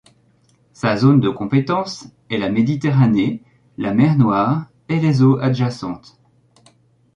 Sa zone de compétence est la Méditerranée, la mer Noire et les eaux adjacentes.